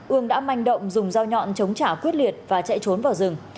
ương đã manh động dùng dao nhọn chống trả quyết liệt và chạy trốn vào rừng